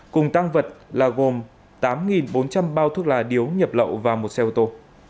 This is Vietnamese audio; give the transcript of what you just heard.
cùng tăng vật là gồm tám bốn trăm linh bao thuốc lá điếu nhập lậu và một xe ô tô